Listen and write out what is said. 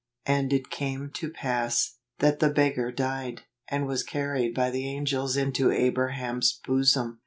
11 And it came to pass , that the beggar died , and was carried by the angels into Abraham's bosom."